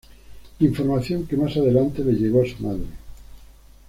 Información que más adelante, le llegó a su madre.